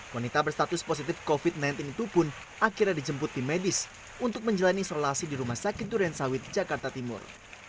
wanita berstatus positif covid sembilan belas itu pun akhirnya dijemput tim medis untuk menjalani isolasi di rumah sakit duren sawit jakarta timur